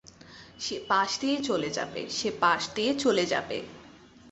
সে পাশ দিয়ে চলে যাবে, সে পাশ দিয়ে চলে যাবে।